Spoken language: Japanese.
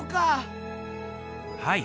はい。